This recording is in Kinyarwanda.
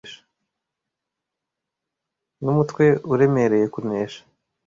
numutwe uremereye kunesha